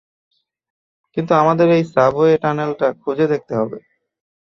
কিন্তু আমাদের এই সাবওয়ে টানেলটা খুঁজে দেখতে হবে।